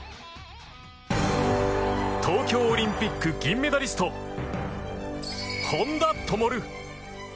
東京オリンピック銀メダリスト本多灯。